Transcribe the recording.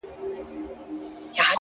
o دا خو ډيره گرانه ده ـ